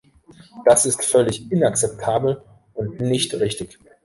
Das ist völlig inakzeptabel und nicht richtig.